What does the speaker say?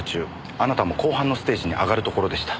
あなたも後半のステージに上がるところでした。